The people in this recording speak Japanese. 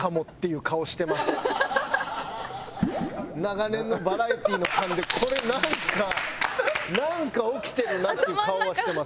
長年のバラエティーの勘でこれなんかなんか起きてるなっていう顔はしてます。